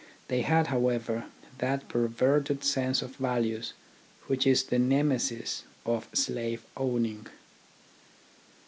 They had, however, that perverted sense of values which is the nemesis of slave owning.